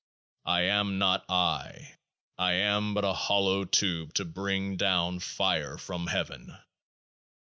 I am not I ; I am but an hollow tube to bring down Fire from Heaven.